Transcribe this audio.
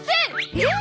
えっ？